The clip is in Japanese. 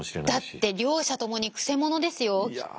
だって両者ともにくせ者ですよきっと。